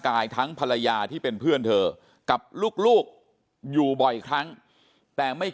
กายทั้งภรรยาที่เป็นเพื่อนเธอกับลูกอยู่บ่อยครั้งแต่ไม่